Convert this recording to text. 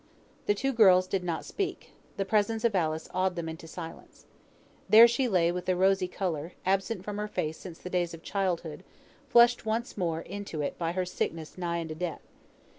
The two girls did not speak; the presence of Alice awed them into silence. There she lay with the rosy colour, absent from her face since the days of childhood, flushed once more into it by her sickness nigh unto death.